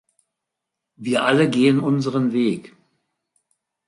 Wir alle gehen unseren Weg.